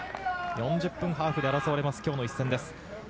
４０分ハーフで争われます、今日の一戦です。